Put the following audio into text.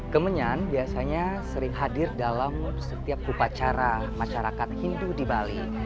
kemenyan biasanya sering hadir dalam setiap upacara masyarakat hindu di bali